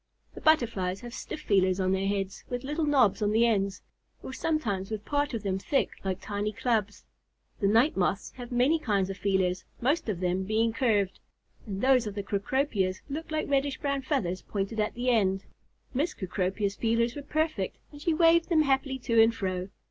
The Butterflies have stiff feelers on their heads with little knobs on the ends, or sometimes with part of them thick like tiny clubs. The Night Moths have many kinds of feelers, most of them being curved, and those of the Cecropias look like reddish brown feathers pointed at the end. Miss Cecropia's feelers were perfect, and she waved them happily to and fro.